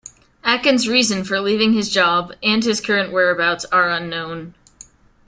Akins' reasons for leaving his job and his current whereabouts are unknown.